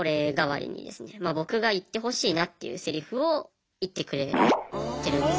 僕が言ってほしいなっていうセリフを言ってくれてるんですよ。